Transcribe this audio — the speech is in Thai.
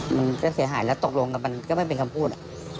มันก็เสียหายแล้วตกลงกันมันก็ไม่เป็นคำพูด